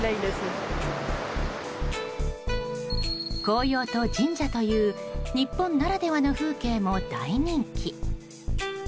紅葉と神社という日本ならではの風景も大人気。